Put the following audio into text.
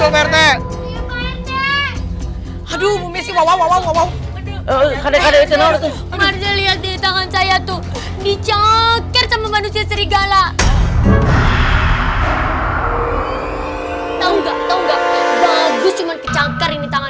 bagus cuman kecakar ini tangannya